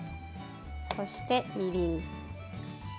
そして、みりん。